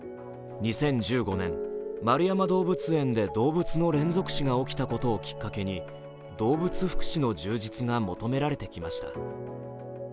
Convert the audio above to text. ２０１５年、円山動物園で動物の連続死が起きたことをきっかけに動物福祉の充実が求められてきました。